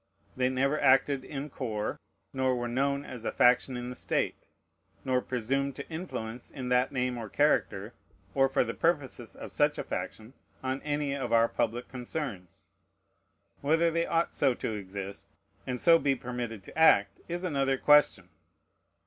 They never acted in corps, nor were known as a faction in the state, nor presumed to influence in that name or character, or for the purposes of such a faction, on any of our public concerns. Whether they ought so to exist, and so be permitted to act, is another question.